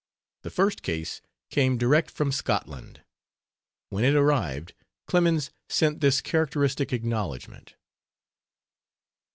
The first case came, direct from Scotland. When it arrived Clemens sent this characteristic acknowledgment.